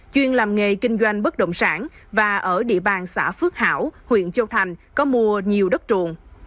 chuyên làm nghề kinh doanh bất động sản và ở địa bàn xã phước hảo huyện châu thành có mua nhiều đất truộn